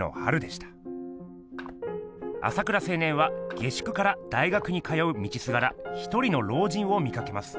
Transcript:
朝倉青年は下宿から大学に通う道すがらひとりの老人を見かけます。